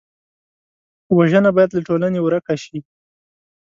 وژنه باید له ټولنې ورک شي